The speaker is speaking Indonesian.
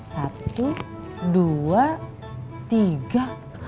satu dua tiga